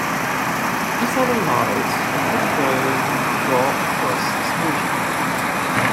He saw the lights of the train draw across his vision.